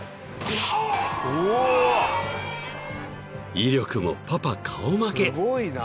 ［威力もパパ顔負け］